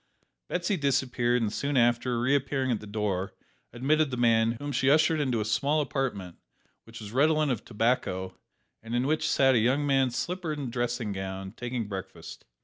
Betsy disappeared, and soon after, reappearing at the door, admitted the man, whom she ushered into a small apartment, which was redolent of tobacco, and in which sat a young man slippered and dressing gowned, taking breakfast.